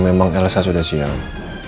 memang elsa sudah siap